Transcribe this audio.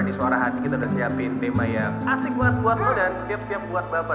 ini suara hati kita udah siapin tema yang asik buat lo dan siap siap buat bapak